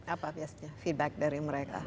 apa biasanya feedback dari mereka